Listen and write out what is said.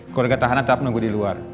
keluarga tahanan tetap nunggu di luar